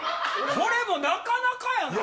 これもなかなかやな。